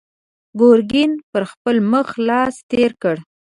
ګرګين پر خپل مخ لاس تېر کړ.